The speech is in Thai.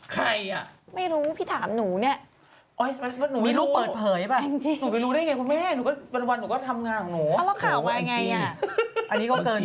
เขาไม่ได้ซุกกันเนี่ยแต่ซุกพวกเราเนี่ย